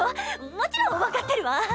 もちろん分かってるわ。